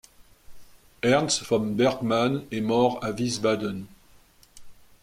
Ernst von Bergmann est mort à Wiesbaden.